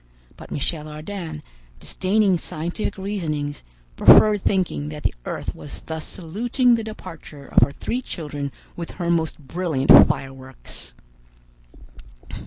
But Michel Ardan, disdaining scientific reasonings, preferred thinking that the earth was thus saluting the departure of her three children with her most brilliant fireworks.